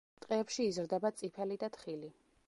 ტყეებში იზრდება წიფელი და თხილი.